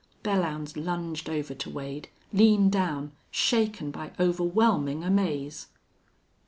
Belllounds lunged over to Wade, leaned down, shaken by overwhelming amaze.